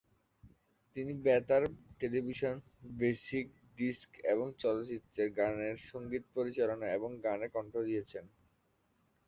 তিনি বেতার, television, basic disc এবং চলচ্চিত্রের গানের সঙ্গীত পরিচালনা এবং গানে কণ্ঠ দিয়েছেন।